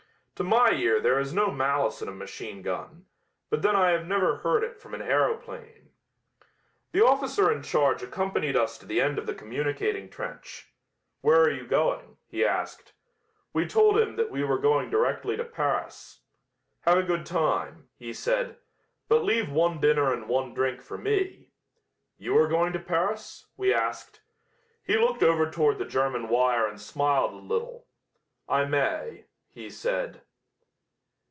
To my ear there is no malice in a machine gun, but then I have never heard it from an aeroplane. The officer in charge accompanied us to the end of the communicating trench. "Where are you going?" he asked. We told him that we were going directly to Paris. "Have a good time," he said, "but leave one dinner and one drink for me." "You are going to Paris?" we asked. He looked over toward the German wire and smiled a little. "I may," he said.